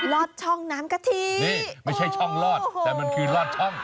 รอดช่องน้ำกะทินี่ไม่ใช่ช่องลอดแต่มันคือลอดช่อง